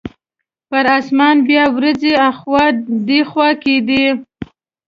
پر اسمان بیا وریځې اخوا دیخوا کیدې.